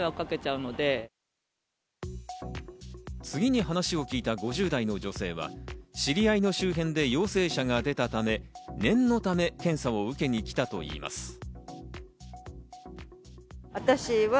次に話を聞いた５０代の女性は知り合いの周辺で陽性者が出たため、念のため検査を受けに来たといいます。